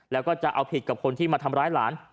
แล้วก็จะเอาผิดกับคนที่มาทำร้ายหลาน